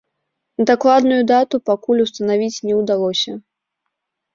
Дакладную дату пакуль устанавіць не ўдалося.